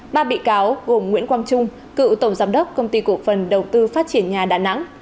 ba bị cáo gồm nguyễn quang trung cựu tổng giám đốc công ty cổ phần đầu tư phát triển nhà đà nẵng